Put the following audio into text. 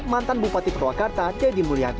mantan bupati purwakarta dedy mulyadi